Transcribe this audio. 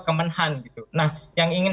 kemenhan nah yang ingin